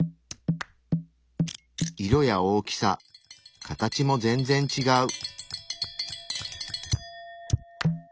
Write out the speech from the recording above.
色や大きさ形も全然ちがう。